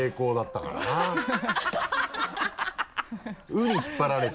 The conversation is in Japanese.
「う」に引っ張られて。